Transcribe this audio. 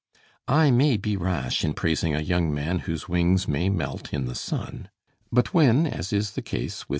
I may be rash in praising a young man whose wings may melt in the sun; but when, as is the case with M.